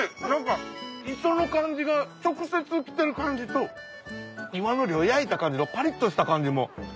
何か磯の感じが直接来てる感じと岩のりを焼いた感じのパリっとした感じも。